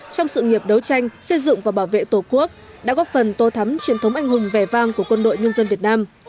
trong sự nghiệp đấu tranh xây dựng và bảo vệ tổ quốc đã góp phần tô thắm truyền thống anh hùng vẻ vang của quân đội nhân dân việt nam